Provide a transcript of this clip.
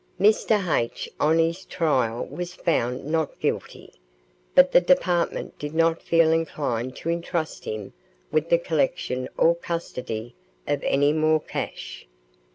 Mr. H. on his trial was found not guilty, but the department did not feel inclined to entrust him with the collection or custody of any more cash.